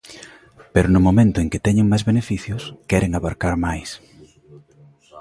Pero no momento en que teñen máis beneficios, queren abarcar máis.